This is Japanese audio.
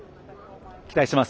期待してます。